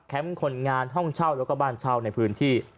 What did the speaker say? คนงานห้องเช่าแล้วก็บ้านเช่าในพื้นที่